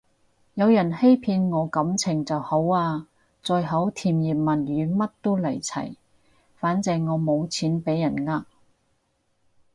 有人欺騙我感情就好啊，最好甜言蜜語乜都嚟齊，反正我冇錢畀人呃